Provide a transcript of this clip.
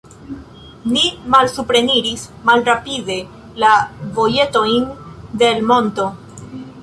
Ni malsupreniris malrapide la vojetojn de l' monto.